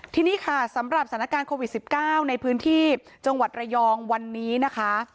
ทีนี้ค่ะสำหรับสถานการณ์โควิด๑๙ในพื้นที่จังหวัดระยองวันนี้นะคะ